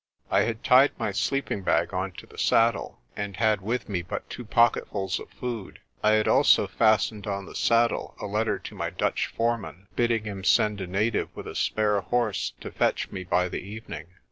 I had tied my sleeping bag on to the saddle, and had with me but two pocketfuls of food. I had also fastened on the saddle a letter to my Dutch foreman, bidding him send a native with a spare horse to fetch me by the evening.